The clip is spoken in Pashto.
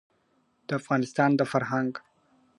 د افغانستان د فرهنګ ..